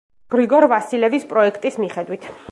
გრიგორ ვასილევის პროექტის მიხედვით.